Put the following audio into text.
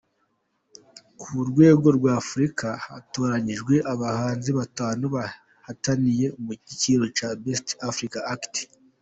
Ku rwego rwa Afurika, hatoranyijwe abahanzi batanu bahatanye mu cyiciro cya Best African Act.